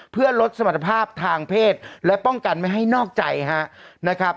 เพื่อลดสมรรถภาพทางเพศและป้องกันไม่ให้นอกใจนะครับ